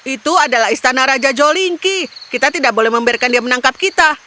itu adalah istana raja jolingki kita tidak boleh membiarkan dia menangkap kita